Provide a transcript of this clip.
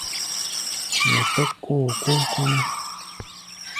Mɛ kpɛ́k kookóo kɔ́-mɛ́.